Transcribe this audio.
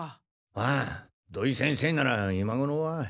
ああ土井先生なら今ごろは。